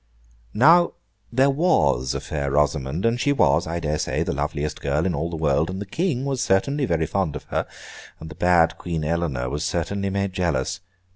Now, there was a fair Rosamond, and she was (I dare say) the loveliest girl in all the world, and the King was certainly very fond of her, and the bad Queen Eleanor was certainly made jealous.